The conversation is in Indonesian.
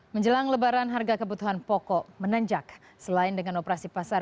menjelang lebaran harga kebutuhan pokok menanjak selain dengan operasi pasar